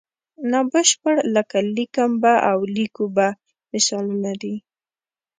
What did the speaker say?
نا بشپړ لکه لیکم به او لیکو به مثالونه دي.